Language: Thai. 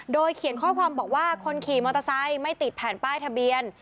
โดยเขียนข้อความบอกว่าคนขี่มอเตอร์ไซค์ไม่ติดแผ่นป้ายทะเบียน